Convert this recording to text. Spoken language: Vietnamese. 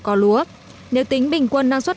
cỏ lúa nếu tính bình quân năng suất